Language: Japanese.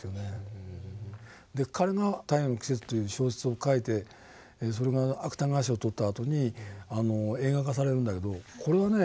彼が「太陽の季節」という小説を書いてそれが芥川賞取ったあとに映画化されるんだけどこれはね